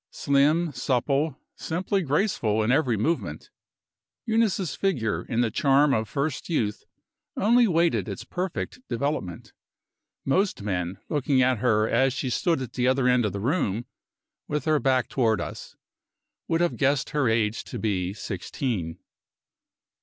Slim, supple, simply graceful in every movement, Eunice's figure, in the charm of first youth, only waited its perfect development. Most men, looking at her as she stood at the other end of the room with her back toward us, would have guessed her age to be sixteen.